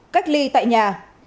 một cách ly tại nhà